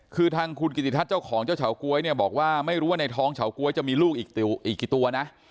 คือทางคุณกิติทัศน์เจ้าของเจ้าเฉาก๊วยเนี่ยบอกว่าไม่รู้ว่าในท้องเฉาก๊วยจะมีลูกอีกกี่ตัวนะ